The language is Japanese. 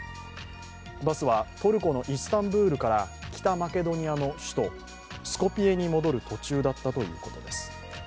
バスは、トルコのイスタンブールから北マケドニアの首都スコピエに戻る途中だったということです。